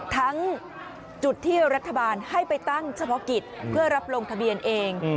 ทั้งจุดที่รัฐบาลให้ไปตั้งเฉพาะกิจเพื่อรับลงทะเบียนเอง